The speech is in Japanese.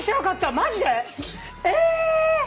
マジで！？え！？